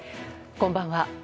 こんばんは。